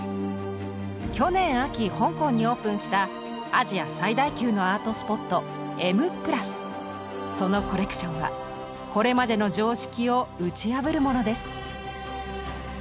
去年秋香港にオープンしたアジア最大級のアートスポットそのコレクションはこれまでの常識を打ち破るものです。